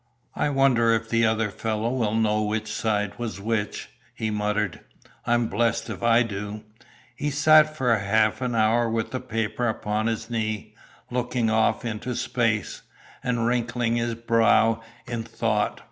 "I wonder if the other fellow will know which side was which!" he muttered. "I'm blest if I do!" He sat for half an hour with the paper upon his knee, looking off into space, and wrinkling his brow in thought.